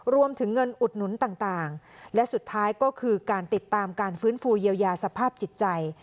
รวมถึงเงินอุดหนุนต่างและสุดท้ายก็คือการติดตามการฟื้นฟูเยียวยาสภาพจิตใจ